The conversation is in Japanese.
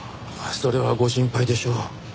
それはご心配でしょう。